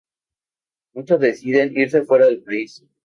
Muchos deciden irse fuera del país.